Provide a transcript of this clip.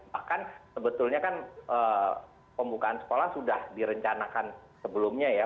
bahkan sebetulnya kan pembukaan sekolah sudah direncanakan sebelumnya ya